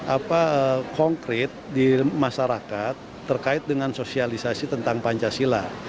apa konkret di masyarakat terkait dengan sosialisasi tentang pancasila